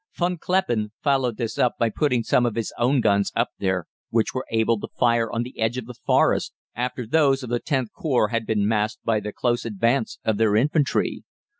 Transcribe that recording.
Von Kleppen followed this up by putting some of his own guns up there, which were able to fire on the edge of the Forest after those of the Xth Corps had been masked by the close advance of their infantry.